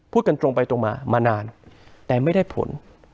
กันตรงไปตรงมามานานแต่ไม่ได้ผล